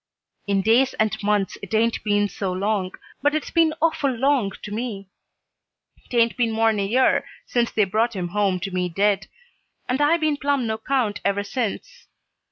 "In days and months it 'ain't been so long, but it's been awful long to me. 'Taint been more'n a year since they brought him home to me dead, and I been plum' no 'count ever since.